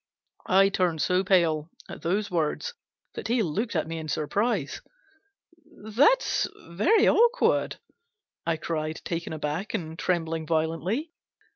I turned so pale at those words that he looked at me in surprise. "That's very awkward !" I cried, taken aback, and trembling violently.